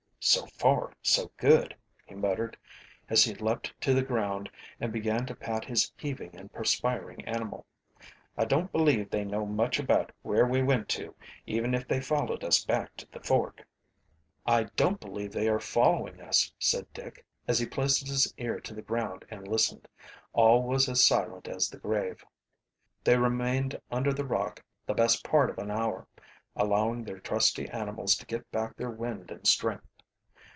"So far so good," he muttered, as he leaped to the ground and began to pat his heaving and perspiring animal. "I don't believe they know much about where we went to, even if they followed us back to the fork." "I don't believe they are following us," said Dick, as he placed his ear to the ground and listened. All was as silent as the grave. They remained under the rock the best part of an hour, allowing their trusty animals to get back their wind and strength.